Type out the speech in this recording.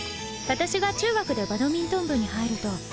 私が中学でバドミントン部に入るとあ！